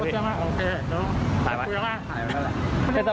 พี่แกบอกว่าคุณผู้ชมไปดูคลิปนี้กันหน่อยนะฮะ